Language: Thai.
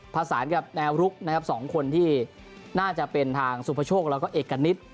ผสานกับแนวลูก๒คนที่น่าจะเป็นทางสุพชกและเอกณิต